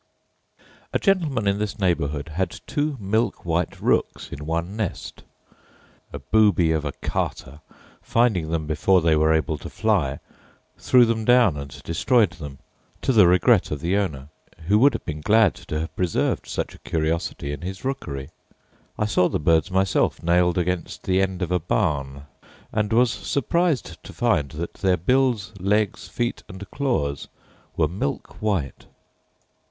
A gentleman in this neighbourhood had two milk white rooks in one nest. A booby of a carter, finding them before they were able to fly, threw them down and destroyed them, to the regret of the owner, who would have been glad to have preserved such a curiosity in his rookery. I saw the birds myself nailed against the end of a barn, and was surprised to find that their bills, legs, feet, and claws were milk white.